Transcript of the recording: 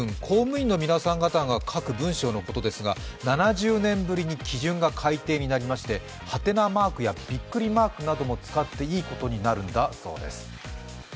公務員の皆さん方が書く文章のことですが、７０年ぶりに基準が改定になりまして、ハテナマークやビックリマークなども使っていいことになるんだそうです。